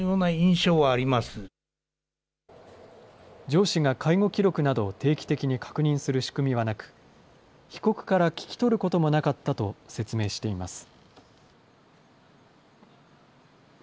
上司が介護記録などを定期的に確認する仕組みはなく、被告から聞き取ることもなかったと説明しています。